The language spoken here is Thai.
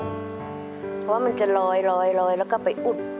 เพราะว่ามันจะลอยแล้วก็ไปอุด